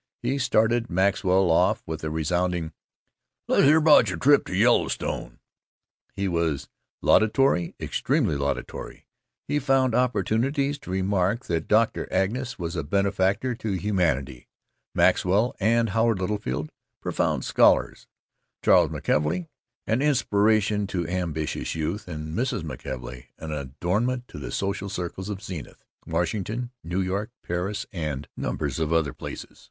He started Maxwell off with a resounding, "Let's hear about your trip to the Yellowstone." He was laudatory, extremely laudatory. He found opportunities to remark that Dr. Angus was a benefactor to humanity, Maxwell and Howard Littlefield profound scholars, Charles McKelvey an inspiration to ambitious youth, and Mrs. McKelvey an adornment to the social circles of Zenith, Washington, New York, Paris, and numbers of other places.